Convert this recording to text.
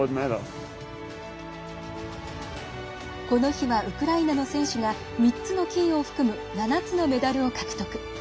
この日はウクライナの選手が３つの金を含む７つのメダルを獲得。